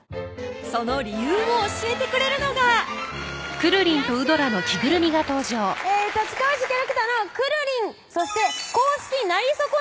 その理由を教えてくれるのがいらっしゃい立川市キャラクターのくるりんそして公認なりそこね